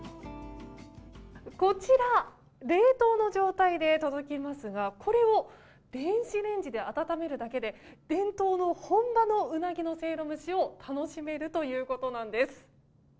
こちら冷凍の状態で届きますがこれを電子レンジで温めるだけで伝統の本場のウナギのせいろ蒸しを楽しめるということなです。